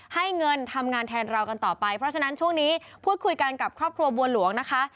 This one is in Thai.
ให้เงินทำงานแทนเรากันต่อไปเพราะฉะนั้นช่วงนี้พูดคุยกันกับครอบครัวบัวหลวงนะคะ